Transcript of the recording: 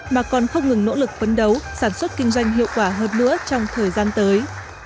mà còn không ngừng nỗ lực phấn đấu sản xuất kinh doanh hiệu quả hơn nữa trong thời gian tới